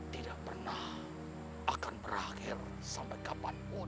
tidak pernah akan berakhir sampai kapanpun